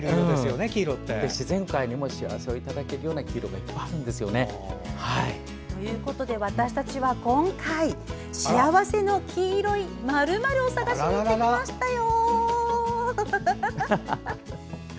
自然界にも幸せをいただけるような黄色があるんですよね。ということで私たちは今回幸せの黄色い○○を探しに行ってきましたよ。